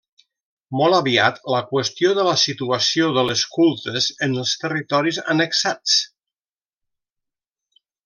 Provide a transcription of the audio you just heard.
Molt aviat la qüestió de la situació de les cultes en els territoris annexats.